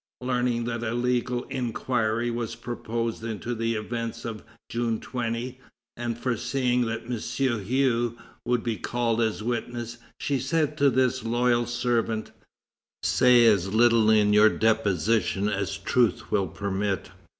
Learning that a legal inquiry was proposed into the events of June 20, and foreseeing that M. Hue would be called as a witness, she said to this loyal servant: "Say as little in your deposition as truth will permit.